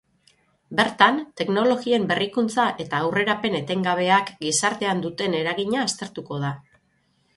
Bertan, teknologien berrikuntza eta aurrerapen etengabeak gizartean duten eragina aztertuko da.